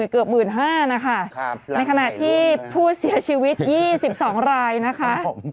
เกือบ๑๕๐๐นะคะในขณะที่ผู้เสียชีวิต๒๒รายนะคะ